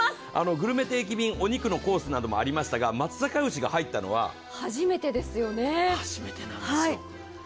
グルメ定期便お肉のコースなどもありましたが、松阪牛が入ったのは初めてなんですよ。